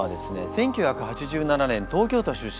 １９８７年東京都出身。